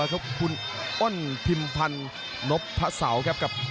คุณอ้นพิมพันนบพระเสาครับ